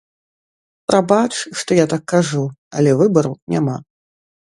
Прабач, што я так кажу, але выбару няма.